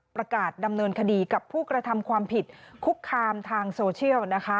ประกาศดำเนินคดีกับผู้กระทำความผิดคุกคามทางโซเชียลนะคะ